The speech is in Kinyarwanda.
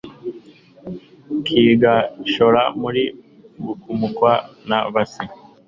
Kigashora muri Mukungwa na Base